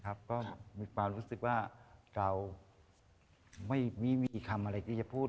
ก็มีความรู้สึกว่าเราไม่มีคำอะไรที่จะพูด